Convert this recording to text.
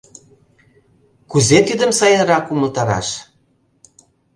Кузе тидым сайынрак умылтараш...